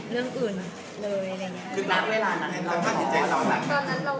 เรื่องอื่นเลยอะไรอย่างนี้